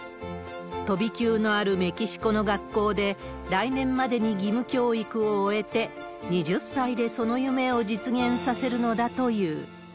飛び級のあるメキシコの学校で、来年までに義務教育を終えて、２０歳でその夢を実現させるのだという。